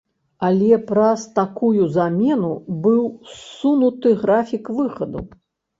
Але праз такую замену быў ссунуты графік выхаду.